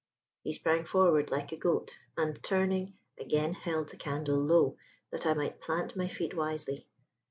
He sprang forward like a goat, and turning, again held the candle low that I might plant my feet wisely.